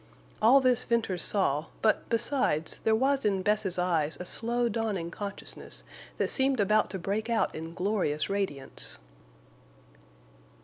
All this Venters saw, but, besides, there was in Bess's eyes a slow dawning consciousness that seemed about to break out in glorious radiance.